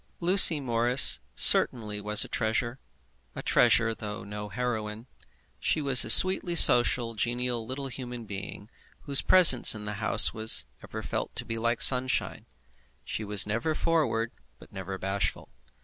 Lucy Morris certainly was a treasure, a treasure though no heroine. She was a sweetly social, genial little human being whose presence in the house was ever felt to be like sunshine. She was never forward, but never bashful.